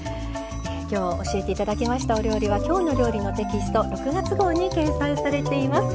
今日教えて頂きましたお料理は「きょうの料理」のテキスト６月号に掲載されています。